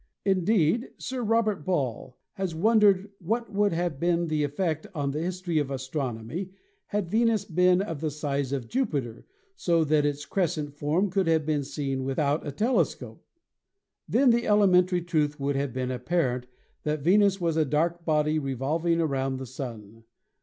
Indeed, Sir Robert Ball has wondered what would have been the effect on the history of astronomy had Venus been of the size of Jupi ter so that its crescent form could have been seen without a telescope. Then the elementary truth would have been apparent that Venus was a dark body revolving around the Sun.